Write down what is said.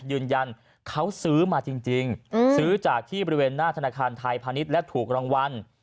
ยืนยันเขาซื้อมาจริงซื้อจากที่บริเวณหน้าธนาคารไทยพาณิชย์และถูกรางวัล